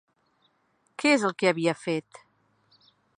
Què és el que havia fet?